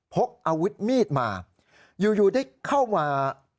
พกอาวุธมีดมาอยู่ได้เข้ามา